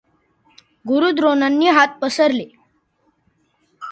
गुरू द्रोणांनी हात पसरले.